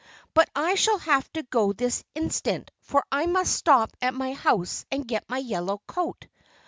But I shall have to go this instant, for I must stop at my house and get my yellow coat.